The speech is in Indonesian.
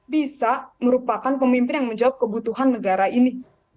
bisa merupakan pemimpin yang menjawab kebutuhan negara ini